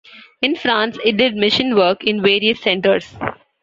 In France it did mission work in various centres.